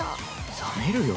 冷めるよ。